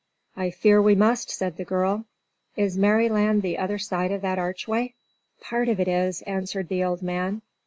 "I fear we must," said the girl. "Is Merryland the other side of that archway?" "Part of it is," answered the old man.